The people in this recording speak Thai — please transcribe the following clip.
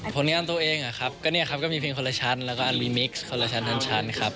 ผลงานตัวเองอะครับก็เนี่ยครับก็มีเพียงคนละชั้นแล้วก็อลิมิกซ์คนละชั้นครับ